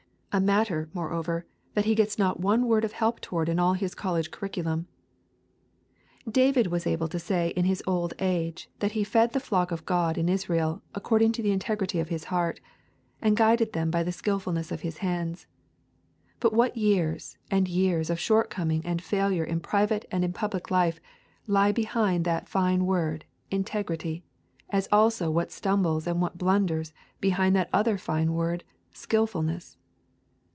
A matter, moreover, that he gets not one word of help toward in all his college curriculum. David was able to say in his old age that he fed the flock of God in Israel according to the integrity of his heart, and guided them by the skilfulness of his hands. But what years and years of shortcoming and failure in private and in public life lie behind that fine word 'integrity'! as also what stumbles and what blunders behind that other fine word 'skilfulness'!